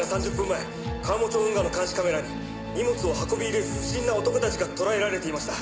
前川最町運河の監視カメラに荷物を運び入れる不審な男たちが捉えられていました。